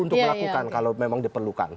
untuk melakukan kalau memang diperlukan